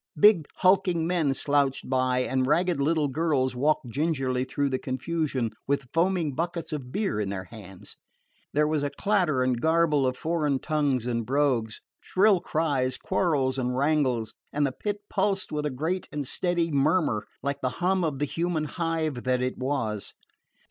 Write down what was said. Big hulking men slouched by, and ragged little girls walked gingerly through the confusion with foaming buckets of beer in their hands. There was a clatter and garble of foreign tongues and brogues, shrill cries, quarrels and wrangles, and the Pit pulsed with a great and steady murmur, like the hum of the human hive that it was.